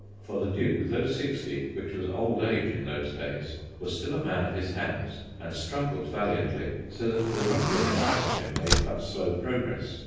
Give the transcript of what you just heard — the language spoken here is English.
For the Duke, though sixty, which was old age in those days, was still a man of his hands, and struggled valiantly, so that the ruffian in front of him made but slow progress.